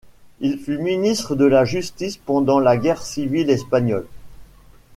Il fut ministre de la Justice pendant la guerre civile espagnole.